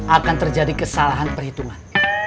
akan terjadi kesalahan perhitungan